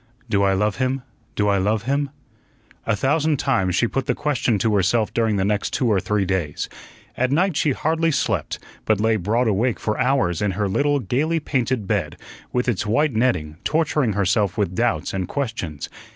"Do I love him? Do I love him?" A thousand times she put the question to herself during the next two or three days. At night she hardly slept, but lay broad awake for hours in her little, gayly painted bed, with its white netting, torturing herself with doubts and questions.